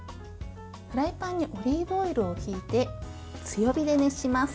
フライパンにオリーブオイルをひいて強火で熱します。